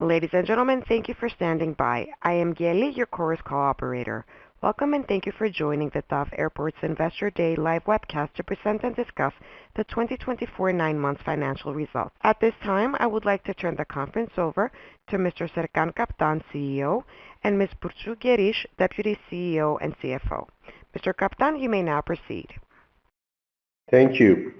Ladies and gentlemen, thank you for standing by. I am Geli, your Chorus Call operator. Welcome, and thank you for joining the TAV Airports Investor Day live webcast to present and discuss the 2024 nine months financial results. At this time, I would like to turn the conference over to Mr. Serkan Kaptan, CEO, and Ms. Burcu Geriş, Deputy CEO and CFO. Mr. Kaptan, you may now proceed. Thank you.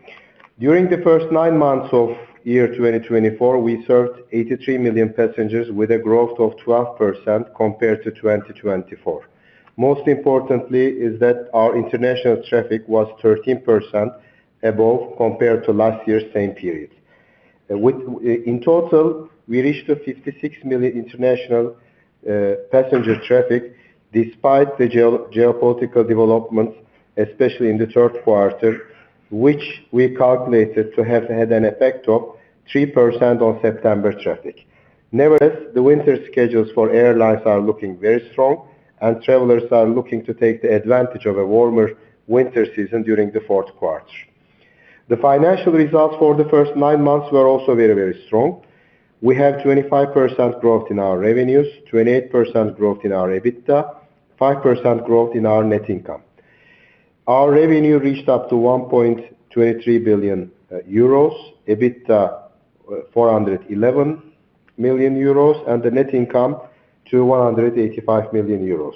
During the first nine months of year 2024, we served 83 million passengers, with a growth of 12% compared to 2024. Most importantly, is that our international traffic was 13% above compared to last year's same period. In total, we reached a 56 million international passenger traffic, despite the geopolitical developments, especially in the Q3, which we calculated to have had an effect of 3% on September traffic. Nevertheless, the winter schedules for airlines are looking very strong, and travelers are looking to take the advantage of a warmer winter season during the fourth quarter. The financial results for the first nine months were also very, very strong. We have 25% growth in our revenues, 28% growth in our EBITDA, 5% growth in our net income. Our revenue reached up to 1.23 billion euros, EBITDA 411 million euros, and the net income to 185 million euros.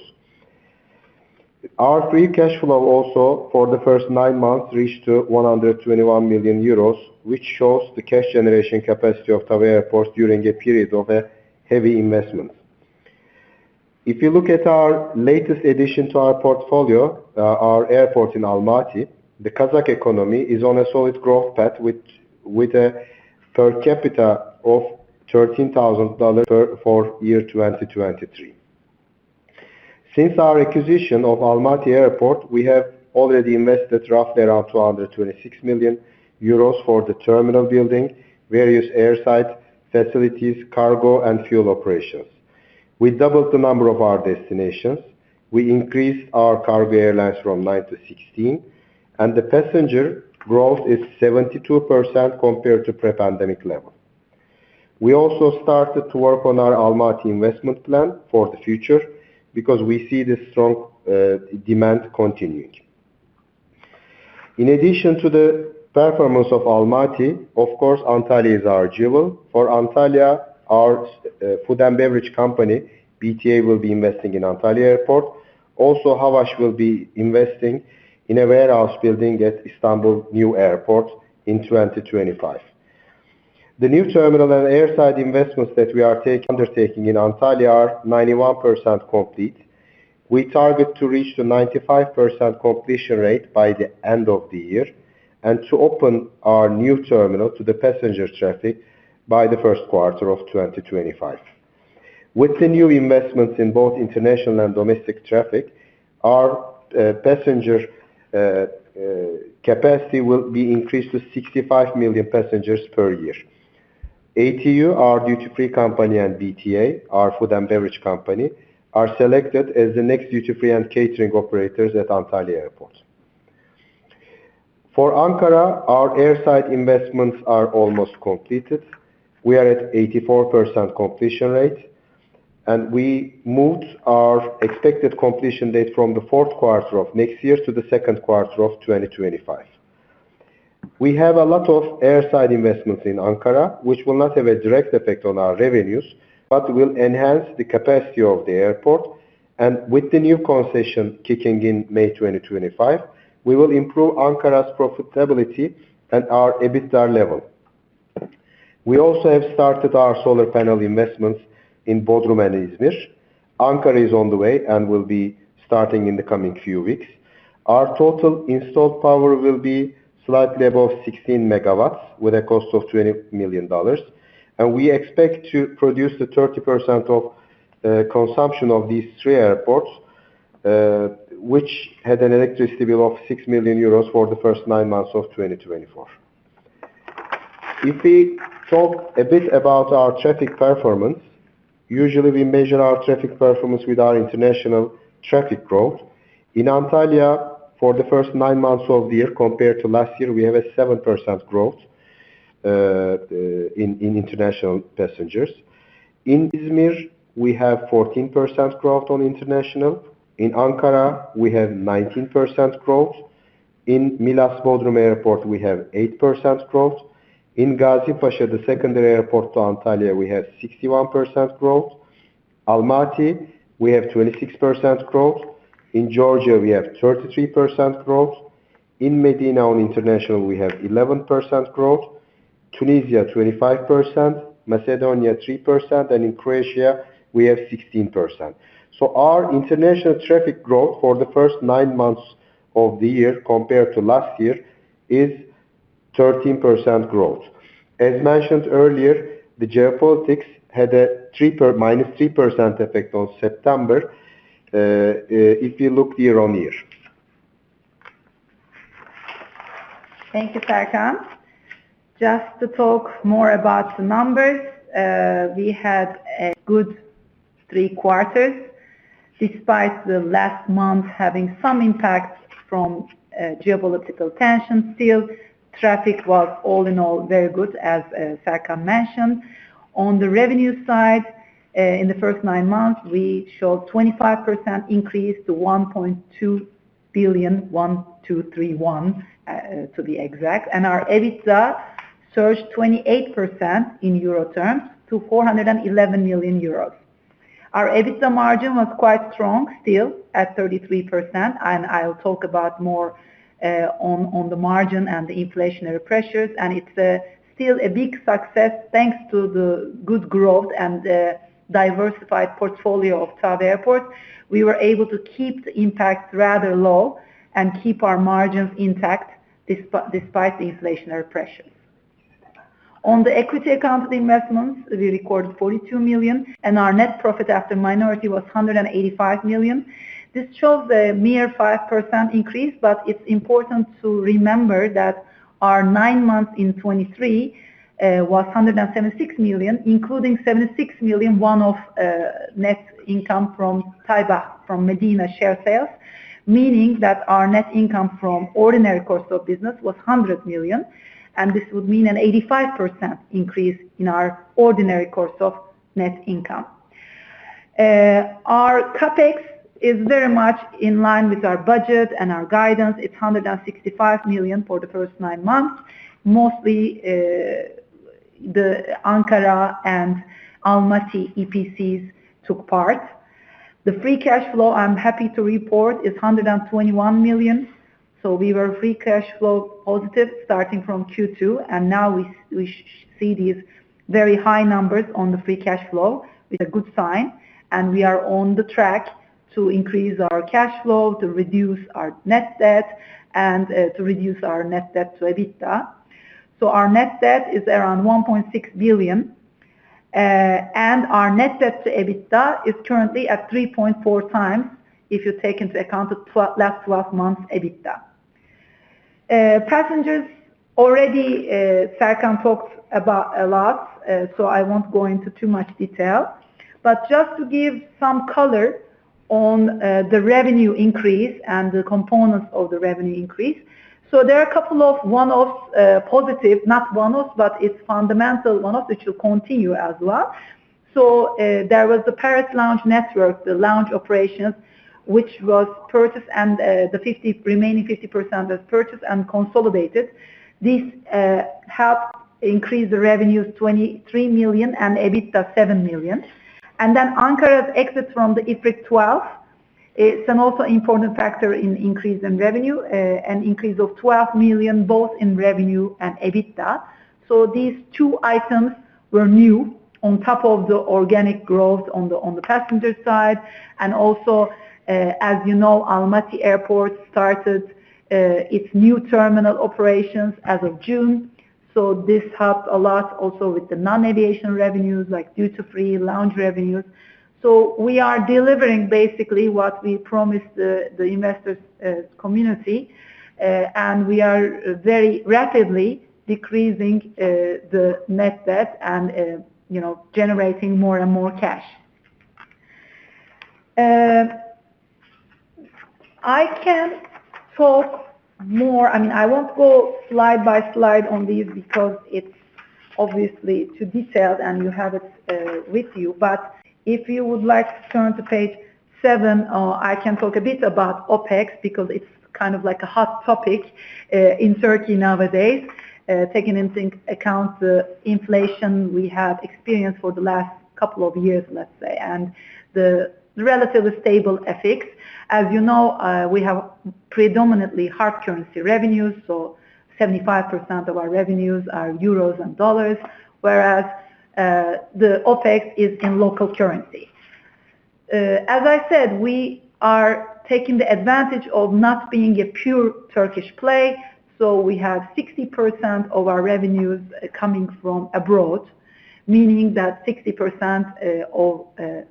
Our free cash flow also for the first nine months reached to 121 million euros, which shows the cash generation capacity of TAV Airports during a period of a heavy investment. If you look at our latest addition to our portfolio, our airport in Almaty, the Kazakh economy is on a solid growth path, with a per capita of $13,000 for 2023. Since our acquisition of Almaty Airport, we have already invested roughly around 226 million euros for the terminal building, various airside facilities, cargo, and fuel operations. We doubled the number of our destinations. We increased our cargo airlines from nine to 16, and the passenger growth is 72% compared to pre-pandemic level. We also started to work on our Almaty investment plan for the future because we see the strong demand continuing. In addition to the performance of Almaty, of course, Antalya is our jewel. For Antalya, our food and beverage company, BTA, will be investing in Antalya Airport. Also, Havaş will be investing in a warehouse building at Istanbul new airport in 2025. The new terminal and airside investments that we are undertaking in Antalya are 91% complete. We target to reach the 95% completion rate by the end of the year, and to open our new terminal to the passenger traffic by the Q1 of 2025. With the new investments in both international and domestic traffic, our passenger capacity will be increased to 65 million passengers per year. ATÜ, our duty-free company, and BTA, our food and beverage company, are selected as the next duty-free and catering operators at Antalya Airport. For Ankara, our airside investments are almost completed. We are at 84% completion rate, and we moved our expected completion date from the fourth quarter of next year to the Q2 of 2025. We have a lot of airside investments in Ankara, which will not have a direct effect on our revenues, but will enhance the capacity of the airport, and with the new concession kicking in May 2025, we will improve Ankara's profitability and our EBITDA level. We also have started our solar panel investments in Bodrum and Izmir. Ankara is on the way and will be starting in the coming few weeks. Our total installed power will be slightly above 16 MW, with a cost of $20 million, and we expect to produce the 30% of consumption of these three airports, which had an electricity bill of 6 million euros for the first nine months of 2024. If we talk a bit about our traffic performance, usually we measure our traffic performance with our international traffic growth. In Antalya, for the first nine months of the year, compared to last year, we have a 7% growth in international passengers. In Izmir, we have 14% growth on international. In Ankara, we have 19% growth. In Milas-Bodrum Airport, we have 8% growth. In Gazipaşa, the secondary airport to Antalya, we have 61% growth. Almaty, we have 26% growth. In Georgia, we have 33% growth. In Medina, on international, we have 11% growth. Tunisia, 25%, Macedonia, 3%, and in Croatia, we have 16%. So our international traffic growth for the first nine months of the year compared to last year is 13% growth. As mentioned earlier, the geopolitics had a minus 3% effect on September, if you look year-on-year. Thank you, Serkan. Just to talk more about the numbers, we had a good three quarters.... Despite the last month having some impacts from geopolitical tension, still, traffic was all in all very good, as Serkan mentioned. On the revenue side, in the first nine months, we showed 25% increase to 1.2 billion, 1,231, to be exact, and our EBITDA surged 28% in euro terms to 411 million euros. Our EBITDA margin was quite strong, still, at 33%, and I'll talk about more on the margin and the inflationary pressures, and it's still a big success, thanks to the good growth and the diversified portfolio of TAV Airports. We were able to keep the impact rather low and keep our margins intact, despite the inflationary pressures. On the equity account of the investments, we recorded 42 million, and our net profit after minority was 185 million. This shows a mere 5% increase, but it's important to remember that our nine months in 2023 was 176 million, including 76 million, one of net income from Tibah, from Medina share sales, meaning that our net income from ordinary course of business was 100 million, and this would mean an 85% increase in our ordinary course of net income. Our CapEx is very much in line with our budget and our guidance. It's 165 million for the first nine months. Mostly, the Ankara and Almaty EPCs took part. The free cash flow, I'm happy to report, is 121 million, so we were free cash flow positive starting from Q2, and now we see these very high numbers on the free cash flow is a good sign, and we are on the track to increase our cash flow, to reduce our net debt, and to reduce our net debt to EBITDA. So our net debt is around 1.6 billion, and our net debt to EBITDA is currently at 3.4x, if you take into account the last 12 months EBITDA. Passengers already, Serkan talked about a lot, so I won't go into too much detail. But just to give some color on the revenue increase and the components of the revenue increase. So there are a couple of one-offs, positive, not one-offs, but it's fundamental one-offs, which will continue as well. So, there was the Paris Lounge Network, the lounge operations, which was purchased and, the remaining 50% was purchased and consolidated. This, helped increase the revenues, 23 million and EBITDA, 7 million. And then Ankara's exit from the IFRIC 12, it's also an important factor in increase in revenue, an increase of 12 million, both in revenue and EBITDA. So these two items were new on top of the organic growth on the passenger side, and also, as you know, Almaty Airport started, its new terminal operations as of June, so this helped a lot also with the non-aviation revenues like duty-free, lounge revenues. So, we are delivering basically what we promised the investor community, and we are very rapidly decreasing the net debt and, you know, generating more and more cash. I can talk more. I mean, I won't go slide by slide on this because it's obviously too detailed, and you have it with you. But if you would like to turn to page seven, I can talk a bit about OpEx, because it's kind of like a hot topic in Turkey nowadays, taking into account the inflation we have experienced for the last couple of years, let's say, and the relatively stable FX. As you know, we have predominantly hard currency revenues, so 75% of our revenues are euros and dollars, whereas the OpEx is in local currency. As I said, we are taking the advantage of not being a pure Turkish play, so we have 60% of our revenues coming from abroad, meaning that 60% of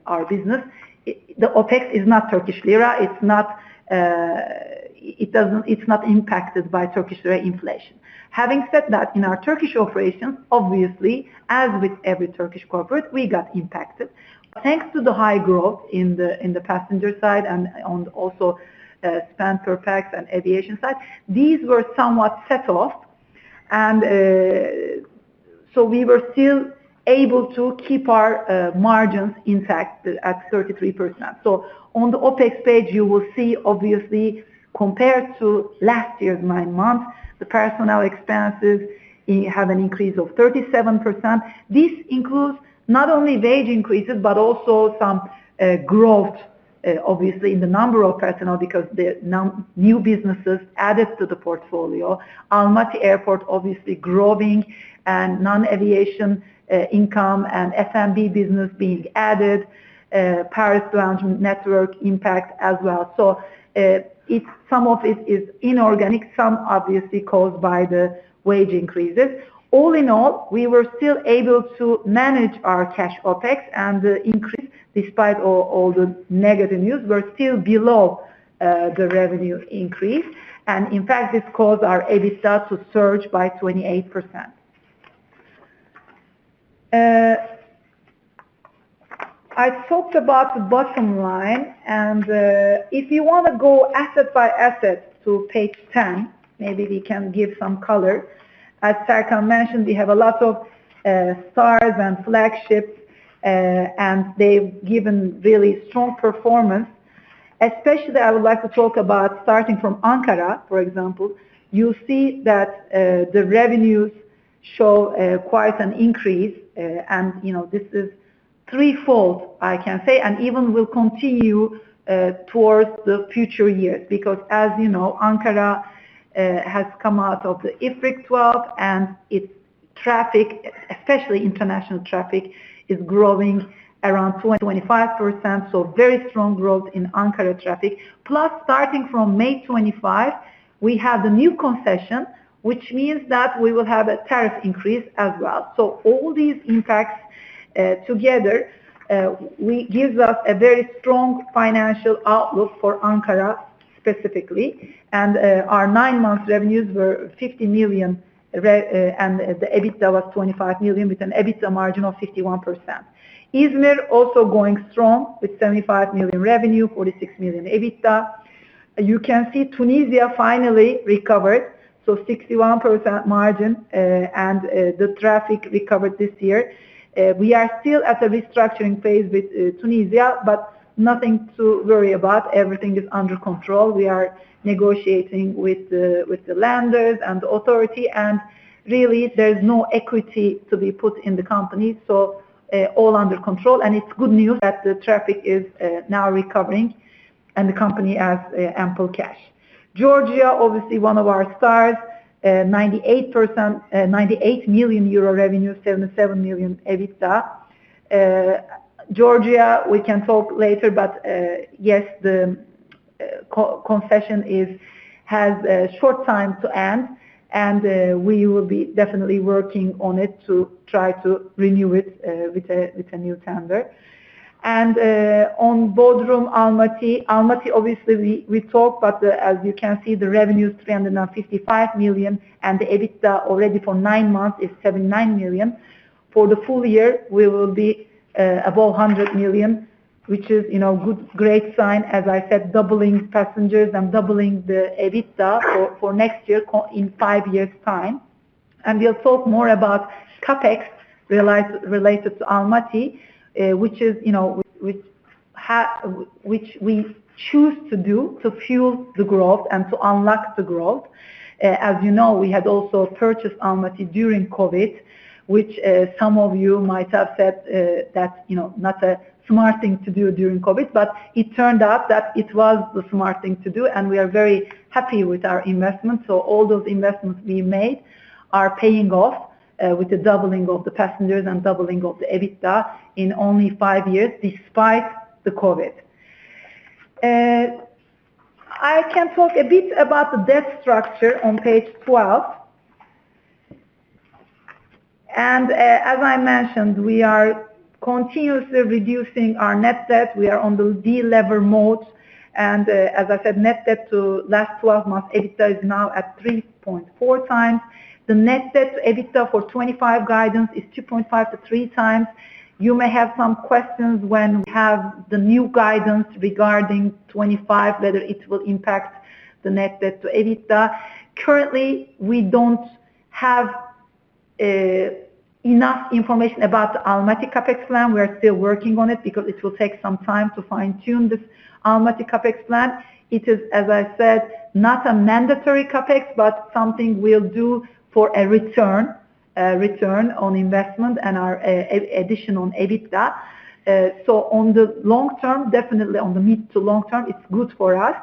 our business, the OpEx is not Turkish lira, it's not, it's not impacted by Turkish lira inflation. Having said that, in our Turkish operations, obviously, as with every Turkish corporate, we got impacted. Thanks to the high growth in the passenger side and also spend per pax and aviation side, these were somewhat set off, and so we were still able to keep our margins intact at 33%. So on the OpEx page, you will see, obviously, compared to last year's nine months, the personnel expenses have an increase of 37%. This includes not only wage increases, but also some growth, obviously, in the number of personnel, because the new businesses added to the portfolio. Almaty Airport, obviously, growing and non-aviation income and F&B business being added, Paris Lounge Network impact as well. So, it's some of it is inorganic, some obviously caused by the wage increases. All in all, we were still able to manage our cash OpEx and the increase, despite all the negative news, we're still below the revenue increase, and in fact, this caused our EBITDA to surge by 28%. I talked about the bottom line, and if you wanna go asset by asset to page 10, maybe we can give some color. As Serkan mentioned, we have a lot of stars and flagships, and they've given really strong performance. Especially, I would like to talk about starting from Ankara, for example, you see that, the revenues show, quite an increase, and, you know, this is threefold, I can say, and even will continue, towards the future years. Because, as you know, Ankara, has come out of the IFRIC 12, and its traffic, especially international traffic, is growing around 25%, so very strong growth in Ankara traffic. Plus, starting from May 2025, we have the new concession, which means that we will have a tariff increase as well. So all these impacts, together, gives us a very strong financial outlook for Ankara, specifically. And, our nine-month revenues were 50 million, and the EBITDA was 25 million, with an EBITDA margin of 51%. Izmir also going strong, with 75 million revenue, 46 million EBITDA. You can see Tunisia finally recovered, so 61% margin, and the traffic recovered this year. We are still at a restructuring phase with Tunisia, but nothing to worry about. Everything is under control. We are negotiating with the lenders and the authority, and really, there's no equity to be put in the company, so all under control. And it's good news that the traffic is now recovering, and the company has ample cash. Georgia, obviously one of our stars, 98%, 98 million euro revenue, 77 million EBITDA. Georgia, we can talk later, but yes, the concession has a short time to end, and we will be definitely working on it to try to renew it with a new tender. And on Bodrum, Almaty. Almaty, obviously, we talked, but as you can see, the revenue is 355 million, and the EBITDA already for nine months is 79 million. For the full year, we will be above 100 million, which is, you know, good, great sign, as I said, doubling passengers and doubling the EBITDA for next year in five years' time. And we'll talk more about CapEx related to Almaty, which is, you know, which we choose to do to fuel the growth and to unlock the growth. As you know, we had also purchased Almaty during COVID, which some of you might have said that, you know, not a smart thing to do during COVID, but it turned out that it was the smart thing to do, and we are very happy with our investments. So all those investments we made are paying off, with the doubling of the passengers and doubling of the EBITDA in only five years, despite the COVID. I can talk a bit about the debt structure on page 12. And, as I mentioned, we are continuously reducing our net debt. We are on the delever mode, and, as I said, net debt to last 12-month EBITDA is now at 3.4x. The net debt to EBITDA for 2025 guidance is 2.5-3x. You may have some questions when we have the new guidance regarding 2025, whether it will impact the net debt to EBITDA. Currently, we don't have enough information about the Almaty CapEx plan. We are still working on it because it will take some time to fine-tune this Almaty CapEx plan. It is, as I said, not a mandatory CapEx, but something we'll do for a return, a return on investment and our addition on EBITDA. So on the long term, definitely on the mid to long term, it's good for us.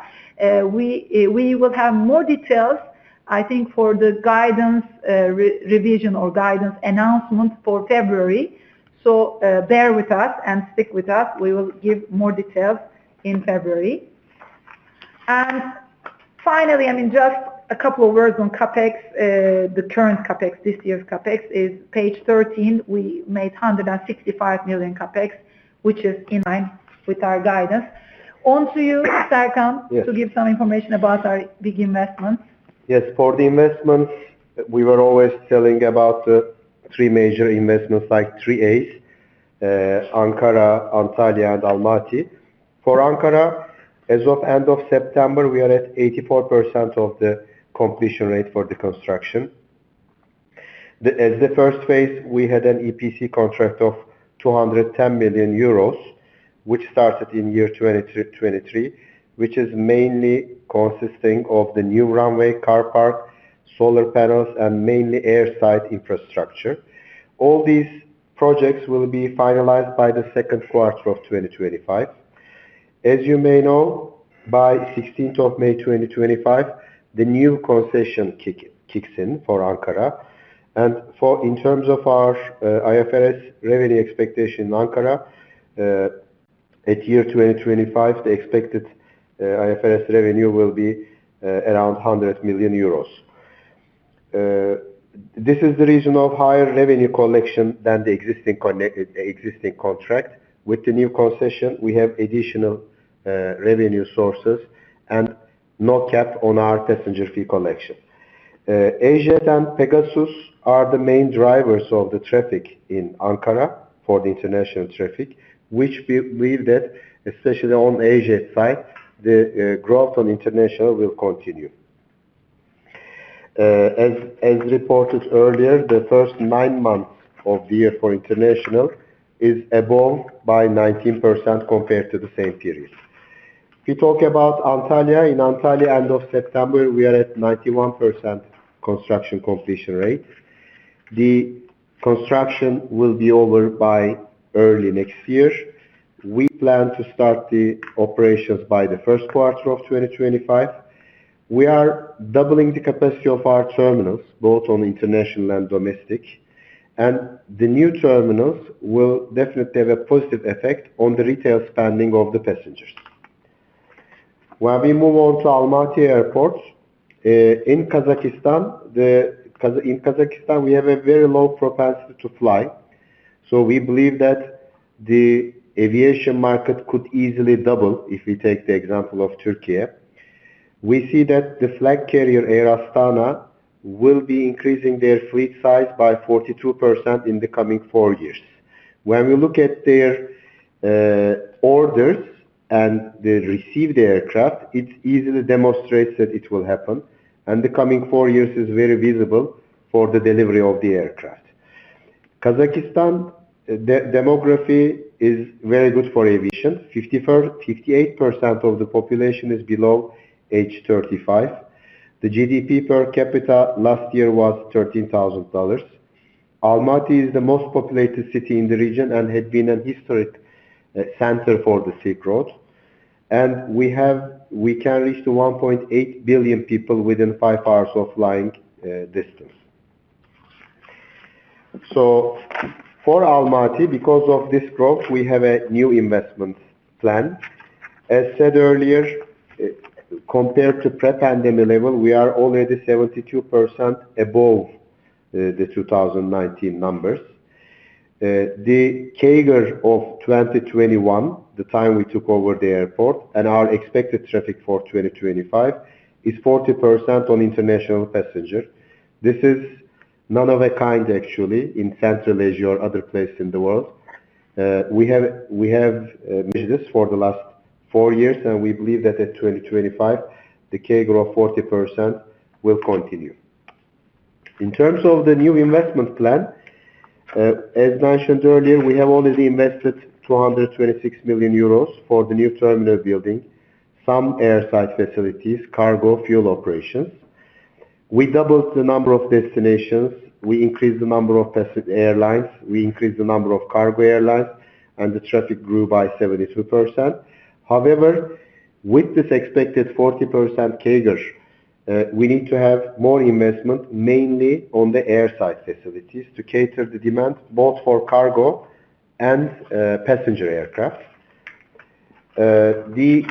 We will have more details, I think, for the guidance revision or guidance announcement for February. So bear with us and stick with us. We will give more details in February. And finally, I mean, just a couple of words on CapEx. The current CapEx, this year's CapEx is page 13. We made 165 million CapEx, which is in line with our guidance. On to you, Serkan. Yes. to give some information about our big investments. Yes, for the investments, we were always telling about the three major investments, like three A's, Ankara, Antalya, and Almaty. For Ankara, as of end of September, we are at 84% of the completion rate for the construction. As the first phase, we had an EPC contract of 210 million euros, which started in year 2023, which is mainly consisting of the new runway, car park, solar panels, and mainly airside infrastructure. All these projects will be finalized by the second quarter of 2025. As you may know, by 16 May 2025, the new concession kicks in for Ankara. And for, in terms of our, IFRS revenue expectation in Ankara, at year 2025, the expected, IFRS revenue will be, around 100 million euros. This is the reason of higher revenue collection than the existing contract. With the new concession, we have additional revenue sources and no cap on our passenger fee collection. AJet and Pegasus are the main drivers of the traffic in Ankara for the international traffic, which we believe that, especially on AJet side, the growth on international will continue. As reported earlier, the first nine months of the year for international is above by 19% compared to the same period. If you talk about Antalya, in Antalya, end of September, we are at 91% construction completion rate. The construction will be over by early next year. We plan to start the operations by the first quarter of 2025. We are doubling the capacity of our terminals, both on international and domestic, and the new terminals will definitely have a positive effect on the retail spending of the passengers. When we move on to Almaty Airport, in Kazakhstan, we have a very low propensity to fly, so we believe that the aviation market could easily double if we take the example of Turkey. We see that the flag carrier, Air Astana, will be increasing their fleet size by 42% in the coming four years. When we look at their orders and the received aircraft, it easily demonstrates that it will happen, and the coming four years is very visible for the delivery of the aircraft. Kazakhstan, the demography is very good for aviation. 58% of the population is below age 35. The GDP per capita last year was $13,000. Almaty is the most populated city in the region and had been a historic center for the Silk Road, and we can reach to 1.8 billion people within five hours of flying distance, so for Almaty, because of this growth, we have a new investment plan. As said earlier, compared to pre-pandemic level, we are already 72% above the 2019 numbers. The CAGR of 2021, the time we took over the airport, and our expected traffic for 2025, is 40% on international passenger. This is one of a kind, actually, in Central Asia or other places in the world. We have this for the last four years, and we believe that at 2025, the CAGR of 40% will continue. In terms of the new investment plan, as mentioned earlier, we have already invested 226 million euros for the new terminal building, some airside facilities, cargo, fuel operations. We doubled the number of destinations, we increased the number of passenger airlines, we increased the number of cargo airlines, and the traffic grew by 72%. However, with this expected 40% CAGR, we need to have more investment, mainly on the airside facilities, to cater the demand both for cargo and passenger aircraft. The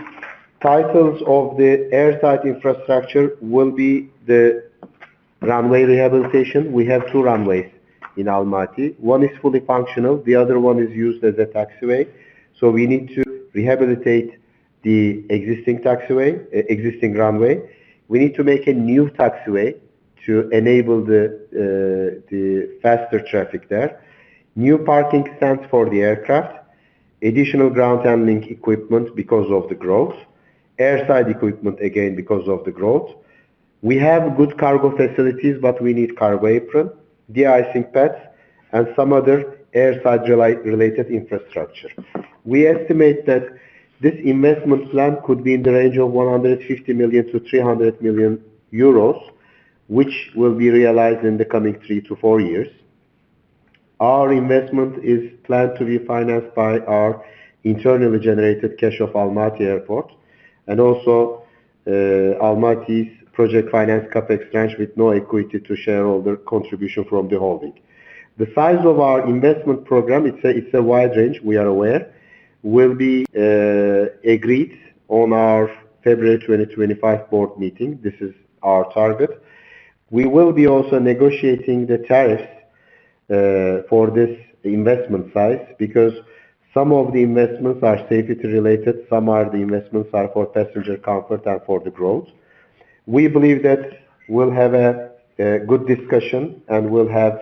titles of the airside infrastructure will be the runway rehabilitation. We have two runways in Almaty. One is fully functional, the other one is used as a taxiway. So we need to rehabilitate the existing taxiway, existing runway. We need to make a new taxiway to enable the faster traffic there. New parking stands for the aircraft, additional ground handling equipment because of the growth, airside equipment, again, because of the growth. We have good cargo facilities, but we need cargo apron, de-icing pads, and some other airside related infrastructure. We estimate that this investment plan could be in the range of 150 million - 300 million, which will be realized in the coming three to four years. Our investment is planned to be financed by our internally generated cash of Almaty Airport and also Almaty's project finance CapEx tranche, with no equity to shareholder contribution from the holding. The size of our investment program, it's a wide range we are aware will be agreed on our February 2025 board meeting. This is our target. We will be also negotiating the tariff for this investment size, because some of the investments are safety-related, some are the investments are for passenger comfort and for the growth. We believe that we'll have a good discussion and we'll have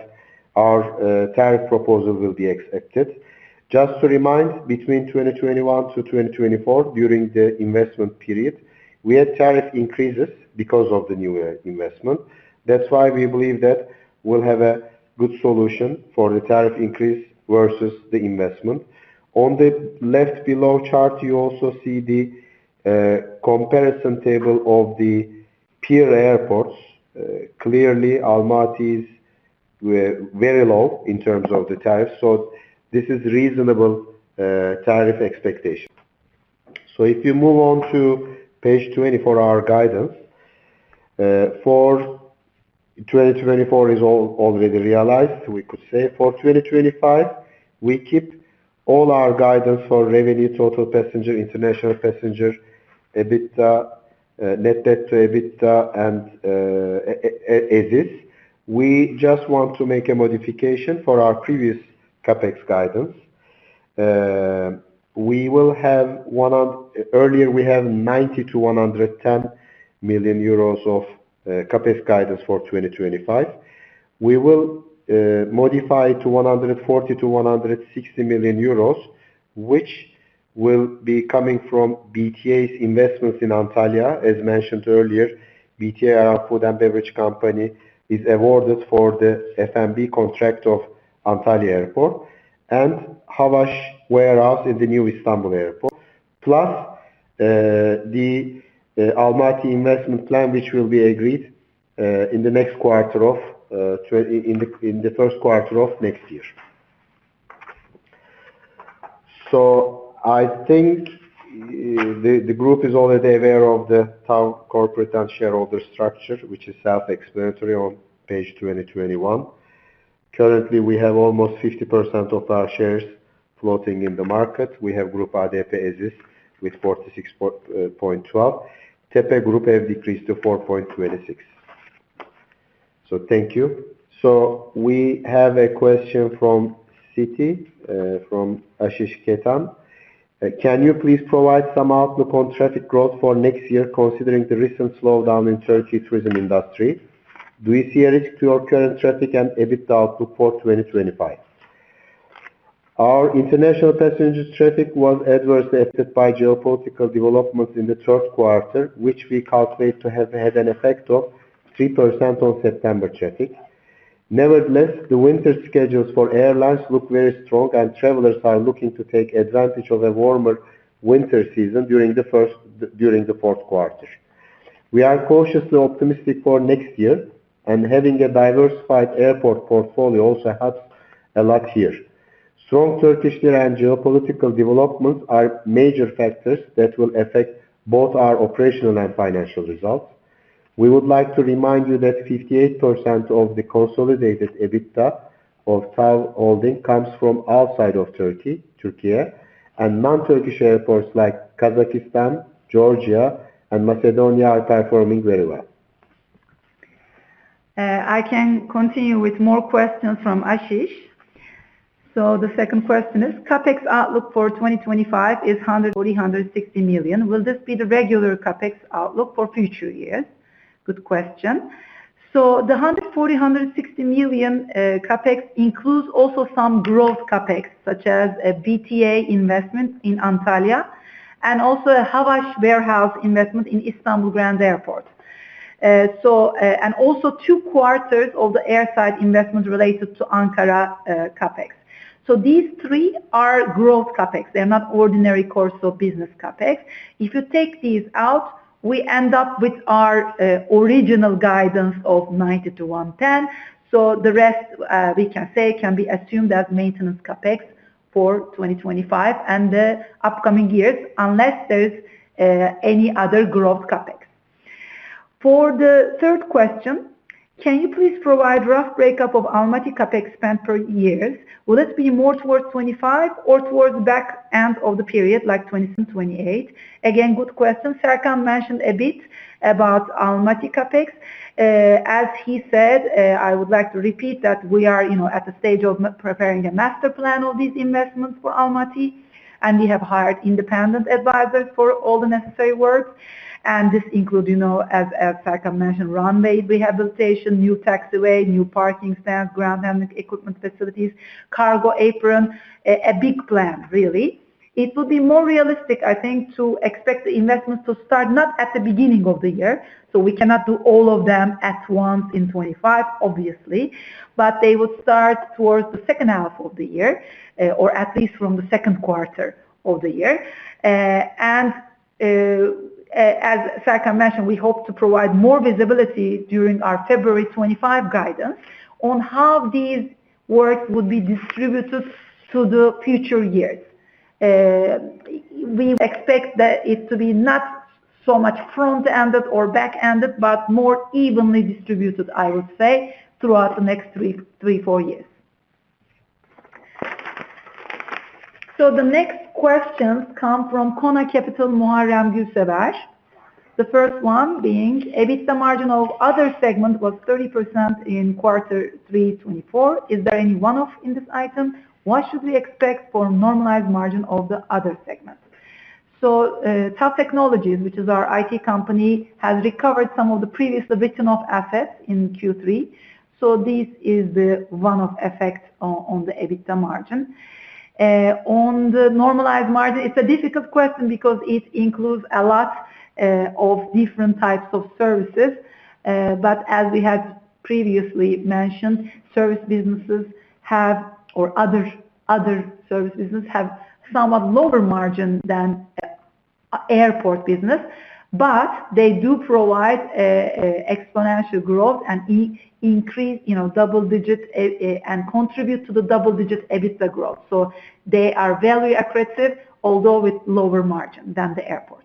our tariff proposal will be accepted. Just to remind, between 2021 to 2024, during the investment period, we had tariff increases because of the new investment. That's why we believe that we'll have a good solution for the tariff increase versus the investment. On the left below chart, you also see the comparison table of the peer airports. Clearly, Almaty is very low in terms of the tariff, so this is reasonable tariff expectation. So if you move on to page 20 for our guidance, for 2024 is already realized. We could say for 2025, we keep all our guidance for revenue, total passenger, international passenger, EBITDA, net debt to EBITDA and, EBIT. We just want to make a modification for our previous CapEx guidance. Earlier, we have 90-110 million euros of CapEx guidance for 2025. We will modify to 140-160 million euros, which will be coming from BTA's investments in Antalya. As mentioned earlier, BTA Food and Beverage Company is awarded for the F&B contract of Antalya Airport and Havaş Warehouse in the new Istanbul Airport. Plus, the Almaty investment plan, which will be agreed in the Q1 of next year. I think the group is already aware of the TAV corporate and shareholder structure, which is self-explanatory on page 21. Currently, we have almost 50% of our shares floating in the market. We have Groupe ADP as is, with 46.2%. Tepe Group have decreased to 4.26%. Thank you. We have a question from Citi, from Ashish Khetan: Can you please provide some outlook on traffic growth for next year, considering the recent slowdown in Turkey tourism industry? Do we see a risk to your current traffic and EBITDA output for 2025? Our international passenger traffic was adversely affected by geopolitical developments in the third quarter, which we calculate to have had an effect of 3% on September traffic. Nevertheless, the winter schedules for airlines look very strong, and travelers are looking to take advantage of a warmer winter season during the first, during the Q4. We are cautiously optimistic for next year, and having a diversified airport portfolio also helps a lot here. Strong Turkish lira and geopolitical developments are major factors that will affect both our operational and financial results. We would like to remind you that 58% of the consolidated EBITDA of TAV Holding comes from outside of Turkey, Türkiye, and non-Turkish airports like Kazakhstan, Georgia, and Macedonia are performing very well. I can continue with more questions from Ashish. So the second question is, CapEx outlook for 2025 is 140-160 million. Will this be the regular CapEx outlook for future years? Good question. So the 140-160 million CapEx includes also some growth CapEx, such as a BTA investment in Antalya and also a Havaş warehouse investment in Istanbul Airport. And also two quarters of the airside investment related to Ankara CapEx. So these three are growth CapEx. They're not ordinary course of business CapEx. If you take these out, we end up with our original guidance of 90-110. So the rest we can say can be assumed as maintenance CapEx for 2025 and the upcoming years, unless there's any other growth CapEx. For the third question, can you please provide rough breakdown of Almaty CapEx spend per years? Will it be more towards 2025 or towards back end of the period, like 2026, 2028? Again, good question. Serkan mentioned a bit about Almaty CapEx. As he said, I would like to repeat that we are, you know, at the stage of preparing a master plan of these investments for Almaty, and we have hired independent advisors for all the necessary work. And this includes, you know, as Serkan mentioned, runway rehabilitation, new taxiway, new parking stands, ground handling equipment facilities, cargo apron, a big plan, really. It will be more realistic, I think, to expect the investments to start not at the beginning of the year, so we cannot do all of them at once in 2025, obviously, but they will start towards the H2 of the year, or at least from the Q2 of the year. And, as Serkan mentioned, we hope to provide more visibility during our February 2025 guidance on how these work would be distributed to the future years. We expect that it to be not so much front-ended or back-ended, but more evenly distributed, I would say, throughout the next three, three, four years. So the next questions come from Kona Capital, Muharrem Gulsever. The first one being, EBITDA margin of other segment was 30% in quarter three 2024. Is there any one-off in this item? What should we expect for normalized margin of the other segment? So, TAV Technologies, which is our IT company, has recovered some of the previously written-off assets in Q3, so this is the one-off effect on the EBITDA margin. On the normalized margin, it's a difficult question because it includes a lot of different types of services, but as we had previously mentioned, service businesses have or other service businesses have somewhat lower margin than airport business, but they do provide an exponential growth and increase, you know, double digit and contribute to the double digit EBITDA growth. So they are very aggressive, although with lower margin than the airports.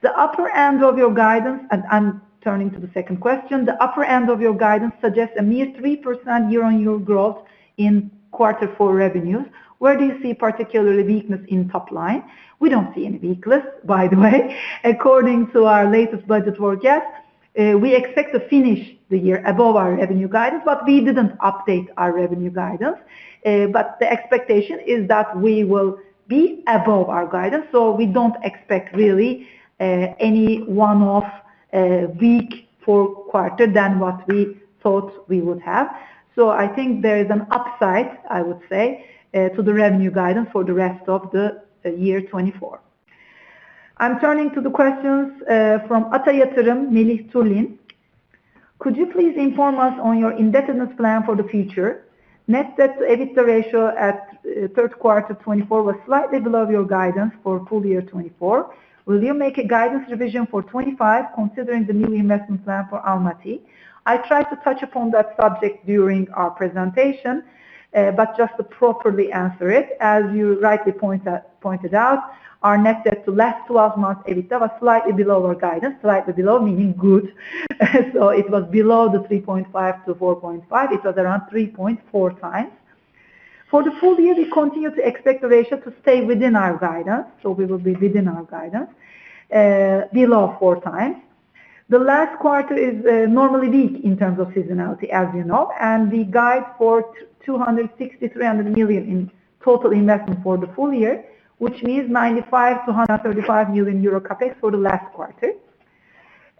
The upper end of your guidance, and I'm turning to the second question: The upper end of your guidance suggests a mere 3% year-on-year growth in quarter four revenues. Where do you see particularly weakness in top line? We don't see any weakness, by the way. According to our latest budget forecast we expect to finish the year above our revenue guidance, but we didn't update our revenue guidance. But the expectation is that we will be above our guidance, so we don't expect really any one-off weak fourth quarter than what we thought we would have. So I think there is an upside, I would say, to the revenue guidance for the rest of the year 2024. I'm turning to the questions from Ata Yatırım, Melih Tulin. Could you please inform us on your indebtedness plan for the future? Net debt to EBITDA ratio at Q3 2024 was slightly below your guidance for full year 2024. Will you make a guidance revision for 2025, considering the new investment plan for Almaty? I tried to touch upon that subject during our presentation, but just to properly answer it, as you rightly point out, our net debt to last twelve months EBITDA was slightly below our guidance. Slightly below, meaning good. So it was below the 3.5-4.5, it was around 3.4x. For the full year, we continue to expect the ratio to stay within our guidance, so we will be within our guidance, below four times. The last quarter is normally weak in terms of seasonality, as you know, and we guide for 260-300 million in total investment for the full year, which means 95-135 million euro CapEx for the last quarter.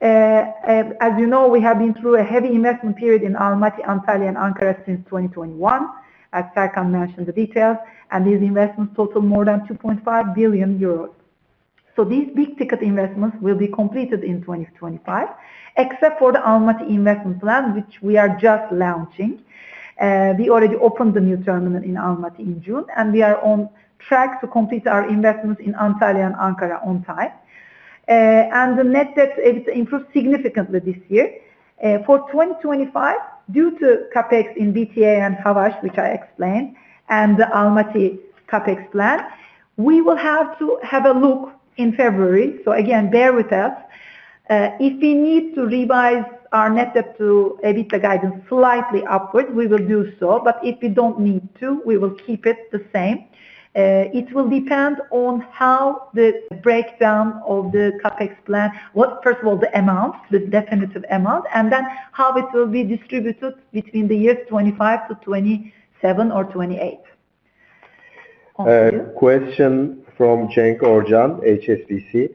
As you know, we have been through a heavy investment period in Almaty, Antalya, and Ankara since 2021, as Serkan mentioned the details, and these investments total more than 2.5 billion euros. So these big-ticket investments will be completed in 2025, except for the Almaty investment plan, which we are just launching. We already opened the new terminal in Almaty in June, and we are on track to complete our investments in Antalya and Ankara on time. And the net debt EBITDA improved significantly this year. For 2025, due to CapEx in BTA and Havaş, which I explained, and the Almaty CapEx plan, we will have to have a look in February. So again, bear with us. If we need to revise our net debt to EBITDA guidance slightly upward, we will do so, but if we don't need to, we will keep it the same. It will depend on how the breakdown of the CapEx plan, first of all, the amount, the definitive amount, and then how it will be distributed between the years 2025 to 2027 or 2028. Over to you. Question from Cenk Orcan, HSBC: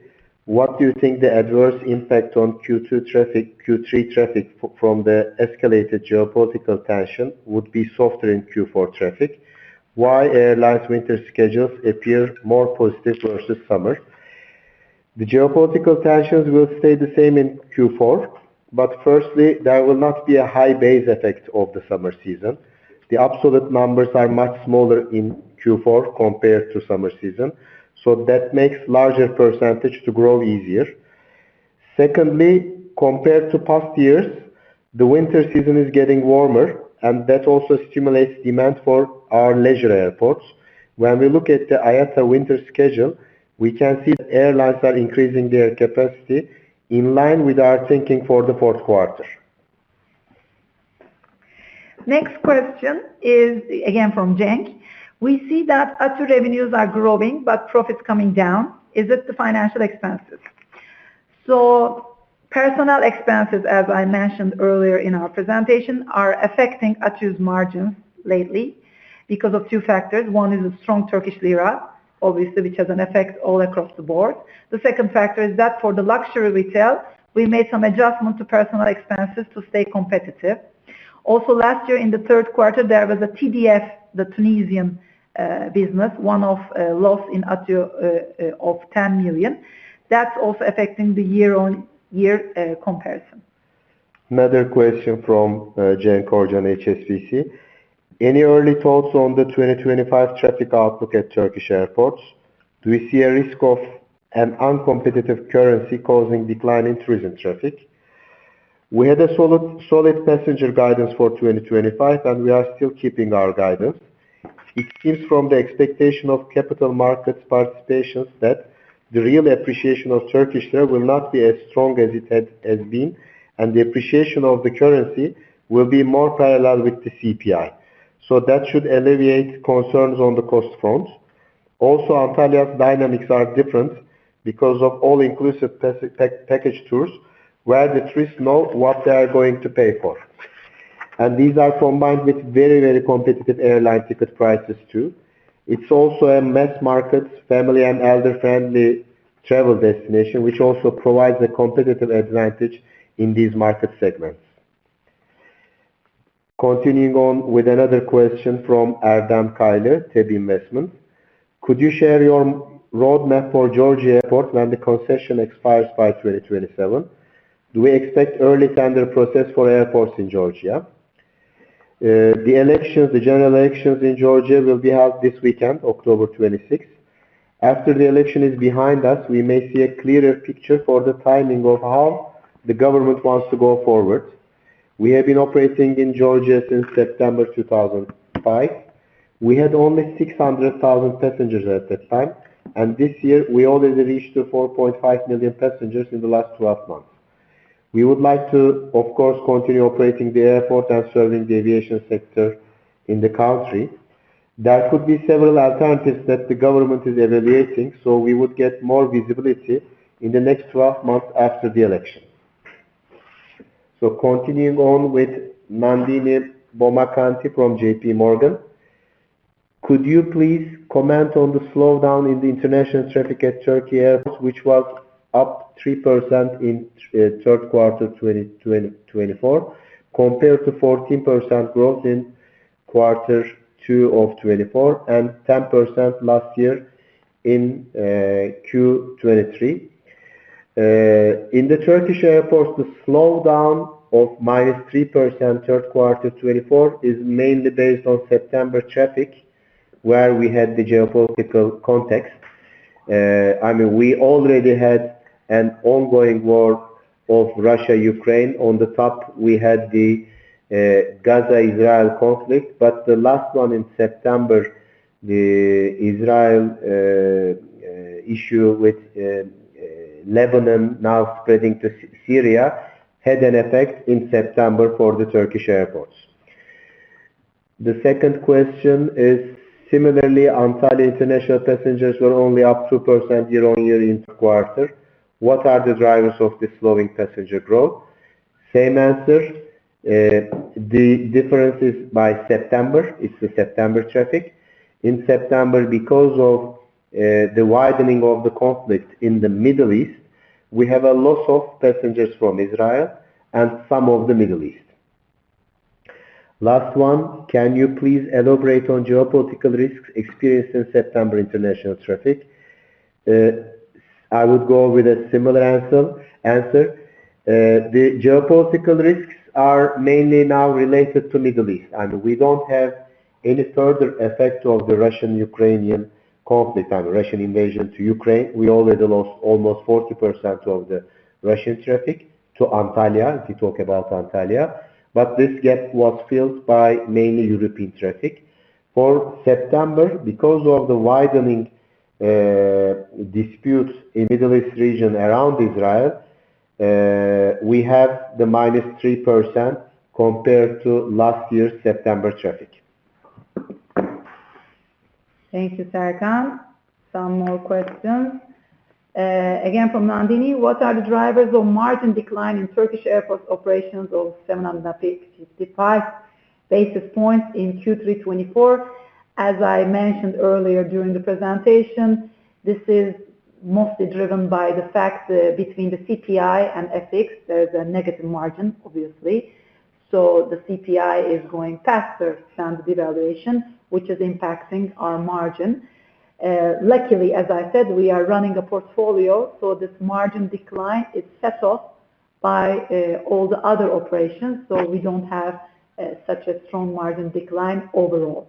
What do you think the adverse impact on Q2 traffic, Q3 traffic from the escalated geopolitical tension would be softer in Q4 traffic? Why airlines winter schedules appear more positive versus summer? The geopolitical tensions will stay the same in Q4, but firstly, there will not be a high base effect of the summer season. The absolute numbers are much smaller in Q4 compared to summer season, so that makes larger percentage to grow easier. Secondly, compared to past years, the winter season is getting warmer, and that also stimulates demand for our leisure airports. When we look at the IATA winter schedule, we can see the airlines are increasing their capacity in line with our thinking for the fourth quarter. Next question is again from Cenk. We see that ATU revenues are growing, but profits coming down. Is it the financial expenses? So personnel expenses, as I mentioned earlier in our presentation, are affecting ATU's margins lately because of two factors. One is a strong Turkish lira, obviously, which has an effect all across the board. The second factor is that for the luxury retail, we made some adjustments to personnel expenses to stay competitive. Also, last year in the Q3, there was a TDF, the Tunisian business, one-off loss in ATU of 10 million. That's also affecting the year-on-year comparison. Another question from Cenk Orcan, HSBC. Any early thoughts on the twenty twenty-five traffic outlook at Turkish airports? Do we see a risk of an uncompetitive currency causing decline in tourism traffic? We had a solid passenger guidance for 2025, and we are still keeping our guidance. It seems from the expectation of capital markets participations that the real appreciation of Turkish lira will not be as strong as it had, has been, and the appreciation of the currency will be more parallel with the CPI, so that should alleviate concerns on the cost front. Also, Antalya's dynamics are different because of all-inclusive package tours, where the tourists know what they are going to pay for, and these are combined with very competitive airline ticket prices, too. It's also a mass market, family and elder-friendly travel destination, which also provides a competitive advantage in these market segments. Continuing on with another question from Erdem Kaynar, TEB Investment: Could you share your roadmap for Georgia Airport when the concession expires by twenty twenty-seven? Do we expect early tender process for airports in Georgia? The elections, the general elections in Georgia will be held this weekend, 26 October. After the election is behind us, we may see a clearer picture for the timing of how the government wants to go forward. We have been operating in Georgia since September two thousand and five. We had only 600,000 passengers at that time, and this year we already reached 4.5million passengers in the last 12 months. We would like to, of course, continue operating the airport and serving the aviation sector in the country.... There could be several alternatives that the government is evaluating, so we would get more visibility in the next twelve months after the election. Continuing on with Nandini Bommakanti from J.P. Morgan: Could you please comment on the slowdown in the international traffic at Turkish Airports, which was up 3% in third quarter 2024, compared to 14% growth in Q2 of 2024, and 10% last year in Q 2023. In the Turkish airports, the slowdown of -3% Q3 2024 is mainly based on September traffic, where we had the geopolitical context. I mean, we already had an ongoing war of Russia, Ukraine. On top, we had the Gaza-Israel conflict, but the last one in September, the Israel issue with Lebanon now spreading to Syria, had an effect in September for the Turkish airports. The second question is: Similarly, Antalya international passengers were only up 2% year-on-year in the quarter. What are the drivers of this slowing passenger growth? Same answer. The difference is by September, it's the September traffic. In September, because of the widening of the conflict in the Middle East, we have a loss of passengers from Israel and some of the Middle East. Last one: Can you please elaborate on geopolitical risks experienced in September international traffic? I would go with a similar answer. The geopolitical risks are mainly now related to Middle East, and we don't have any further effect of the Russian-Ukrainian conflict and Russian invasion to Ukraine. We already lost almost 40% of the Russian traffic to Antalya, if you talk about Antalya, but this gap was filled by mainly European traffic. For September, because of the widening disputes in Middle East region around Israel, we have the -3% compared to last year's September traffic. Thank you, Serkan. Some more questions. Again, from Nandini: What are the drivers of margin decline in TAV Airports' operations of 755 basis points in Q3 2024? As I mentioned earlier during the presentation, this is mostly driven by the fact, between the CPI and FX, there's a negative margin, obviously. So the CPI is going faster than the devaluation, which is impacting our margin. Luckily, as I said, we are running a portfolio, so this margin decline is set off by all the other operations, so we don't have such a strong margin decline overall.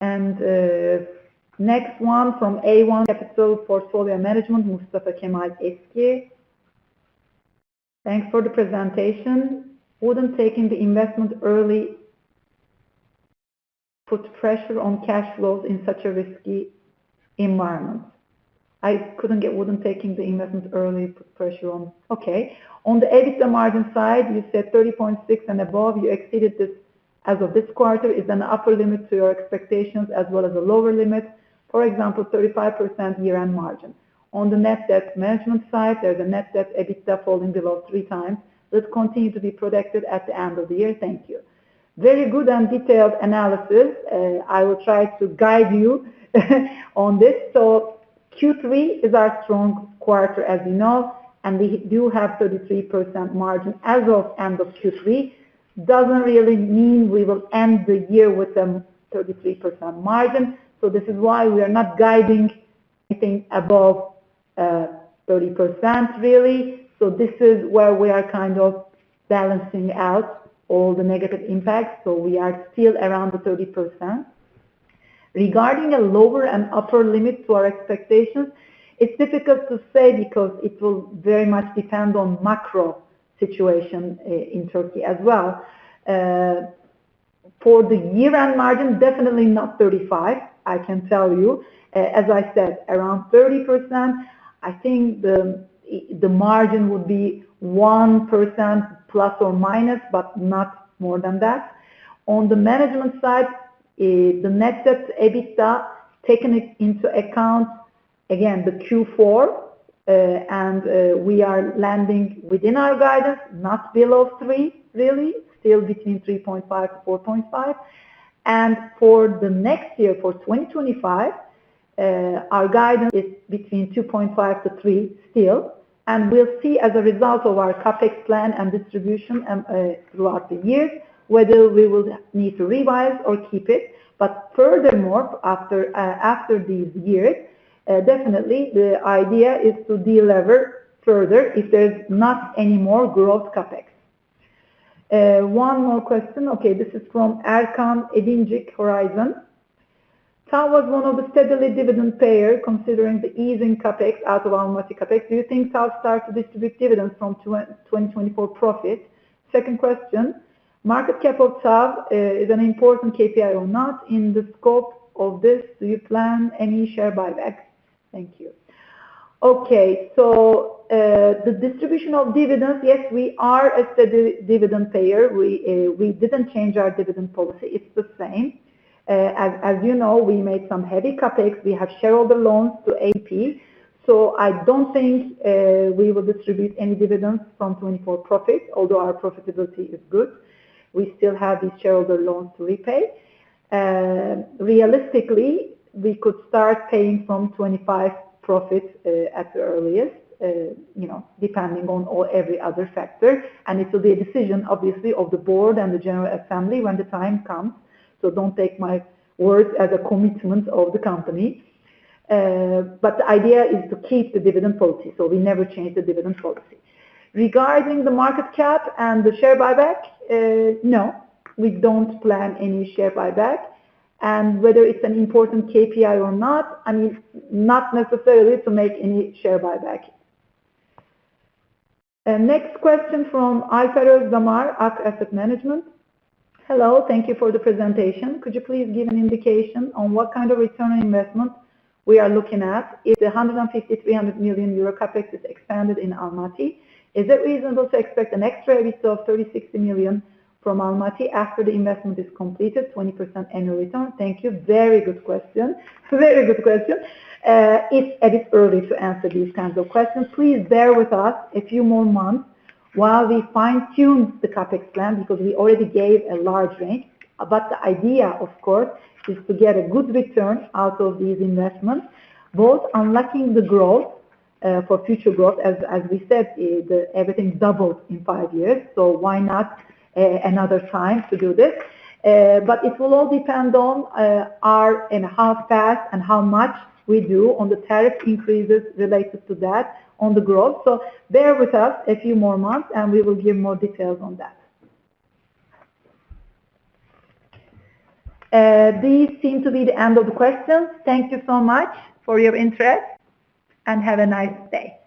And, next one from A1 Capital Portfolio Management, Mustafa Kemal Eski. Thanks for the presentation. Wouldn't taking the investment early put pressure on cash flows in such a risky environment? I couldn't get, wouldn't taking the investment early put pressure on... Okay. On the EBITDA margin side, you said 30.6% and above. You exceeded this as of this quarter. Is an upper limit to your expectations as well as a lower limit, for example, 35% year-end margin. On the net debt management side, there's a net debt EBITDA falling below three times. This continues to be protected at the end of the year. Thank you. Very good and detailed analysis. I will try to guide you on this. So Q3 is our strong quarter, as you know, and we do have 33% margin as of end of Q3. Doesn't really mean we will end the year with a 33% margin. So this is why we are not guiding anything above 30%, really. So this is where we are kind of balancing out all the negative impacts, so we are still around the 30%. Regarding a lower and upper limit to our expectations, it's difficult to say because it will very much depend on macro situation in Turkey as well. For the year-end margin, definitely not 35, I can tell you. As I said, around 30%, I think the margin would be ±1%, but not more than that. On the management side, the net debt to EBITDA, taking it into account, again, the Q4, and we are landing within our guidance, not below 3, really, still between 3.5-4.5. And for the next year, for 2025, our guidance is between 2.5-3 still, and we'll see as a result of our CapEx plan and distribution and throughout the year, whether we will need to revise or keep it. Furthermore, after these years, definitely the idea is to delever further if there's not any more growth CapEx. One more question. Okay, this is from Erkan Edincik, Horizon. TAV was one of the steady dividend payer, considering the easing CapEx out of our monthly CapEx. Do you think TAV start to distribute dividends from 2024 profits? Second question, market cap of TAV is an important KPI or not? In the scope of this, do you plan any share buyback? Thank you. Okay, the distribution of dividends, yes, we are a steady dividend payer. We, we didn't change our dividend policy. It's the same. As you know, we made some heavy CapEx. We have shareholder loans to ADP. I don't think we will distribute any dividends from 2024 profits, although our profitability is good. We still have these shareholder loans to repay. Realistically, we could start paying from 2025 profits, at the earliest, you know, depending on all every other factor, and it will be a decision, obviously, of the board and the general assembly when the time comes, so don't take my word as a commitment of the company, but the idea is to keep the dividend policy, so we never change the dividend policy. Regarding the market cap and the share buyback, no, we don't plan any share buyback. Whether it's an important KPI or not, I mean, not necessarily to make any share buyback. Next question from Ayfer Ozdamar, Ark Asset Management. "Hello, thank you for the presentation. Could you please give an indication on what kind of return on investment we are looking at? If 150-300 million euro CapEx is expanded in Almaty, is it reasonable to expect an extra EBITDA of 30-60 million from Almaty after the investment is completed, 20% annual return? Thank you." Very good question. Very good question. It's a bit early to answer these kinds of questions. Please bear with us a few more months while we fine-tune the CapEx plan, because we already gave a large range. But the idea, of course, is to get a good return out of these investments, both unlocking the growth for future growth. As we said, the everything doubled in five years, so why not another time to do this? But it will all depend on our and how fast and how much we do on the tariff increases related to that on the growth. So bear with us a few more months, and we will give more details on that. These seem to be the end of the questions. Thank you so much for your interest, and have a nice day.